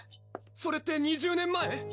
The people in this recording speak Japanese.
それって２０年前？